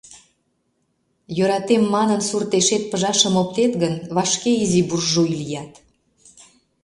Йӧратем манын, суртешет пыжашым оптет гын, вашке изи буржуй лият.